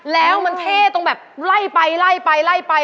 แล้วมันเท่ตรงแบบไล่ไปไล่ไปไล่ไป